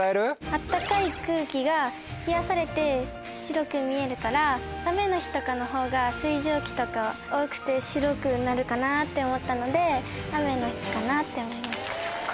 あったかい空気が冷やされて白く見えるから雨の日とかの方が水蒸気とか多くて白くなるかなって思ったので「雨の日」かなって思いました。